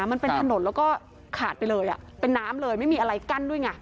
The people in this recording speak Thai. มันเป็นถนนแล้วก็ขาดไปเลยเป็นน้ำเลยไม่มีอะไรกั้นด้วยไง